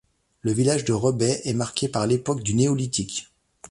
Le village de Rebets est marqué par l'époque du Néolithique.